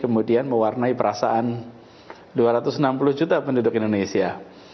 kemudian mewarnai perasaan dua ratus enam puluh juta penduduk indonesia